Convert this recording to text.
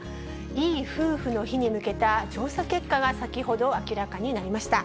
いい夫婦の日に向けて、調査結果が先ほど明らかになりました。